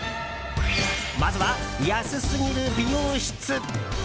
まずは、安すぎる美容室。